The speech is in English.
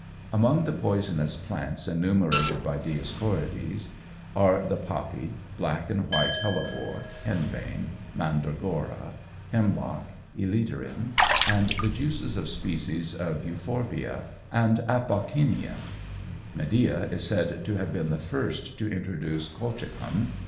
Among the poisonous plants enumerated by Dioscorides are the poppy, black and white hellebore, henbane, mandragora, hemlock, elaterin, and the juices of species of euphorbia, and apocyneæ. Medea is said to have been the first to introduce colchicum.